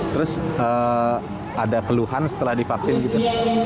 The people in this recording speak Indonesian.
terus ada keluhan setelah divaksin gitu